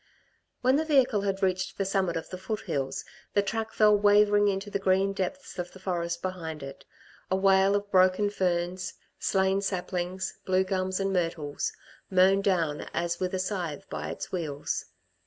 When the vehicle had reached the summit of the foothills, the track fell wavering into the green depths of the forest behind it, a wale of broken ferns, slain saplings, blue gums and myrtles, mown down as with a scythe by its wheels.